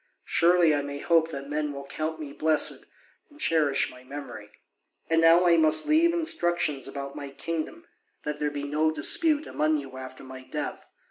Surely I may hope that men will count me blessed and cherish my memory. And now I must leave instructions about my kingdom, that there may be no dispute among you after my death.